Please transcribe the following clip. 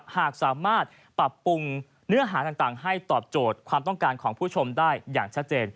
หากสามารถปรับปรุงเนื้อหาต่างให้ตอบโจทย์ความต้องการของผู้ชมได้อย่างชัดเจน